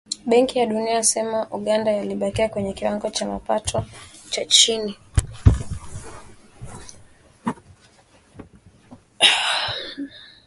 Benki ya Dunia yasema Uganda yabakia kwenye kiwango cha kipato cha chini